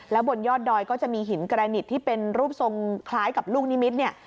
บนยอดดอยก็จะมีหินกระหนิดที่เป็นรูปทรงคล้ายกับลูกนิมิตรเนี่ย